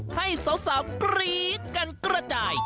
ให้สาวกรี๊ดกันกระจาย